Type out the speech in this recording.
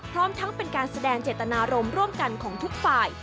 พร้อมทั้งเป็นการแสดงเจตนารมณ์ร่วมกันของทุกฝ่าย